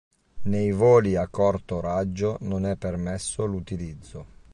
Nei voli a corto raggio non è permesso l'utilizzo.